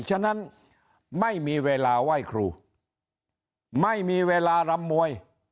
ฉะนั้นไม่มีเวลาไหว้ครูไม่มีเวลารำมวย